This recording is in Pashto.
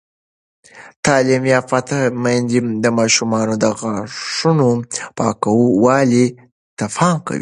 تعلیم یافته میندې د ماشومانو د غاښونو پاکوالي ته پام کوي.